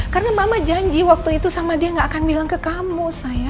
karena mama janji waktu itu sama dia gak akan bilang ke kamu sayang